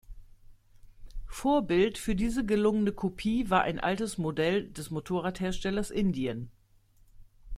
Vorbild für diese gelungene Kopie war ein altes Modell des Motorradherstellers Indian.